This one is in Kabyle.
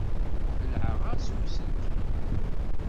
Belɛeɣ-as i uselkim.